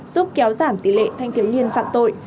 giúp kéo giảm tỷ lệ thanh tiếu nhiên phạm tội